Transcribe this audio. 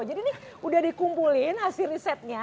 jadi ini udah dikumpulin hasil risetnya